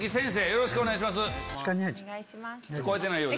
よろしくお願いします。